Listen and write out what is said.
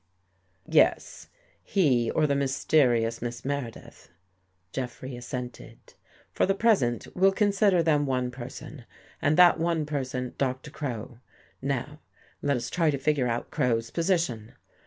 " Yes, he or the mysterious Miss Meredith," Jeff rey assented. " For the present, we'll consider them one person, and that one person Doctor Crow. Now let us try to figure out Crow's position.